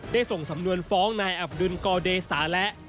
ส่งสำนวนฟ้องนายอับดุลกอเดสาและ